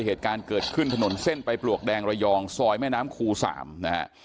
เหตุการณ์เกิดขึ้นถนนเส้นไปปลวกแดงระยองซอยแม่น้ำคู๓นะฮะ